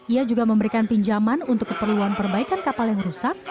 ia juga memberikan pinjaman untuk keperluan perbaikan kapal yang rusak